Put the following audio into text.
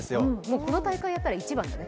この大会やったら１番ですよね。